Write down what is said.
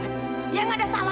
kalau papa sangat yakin banget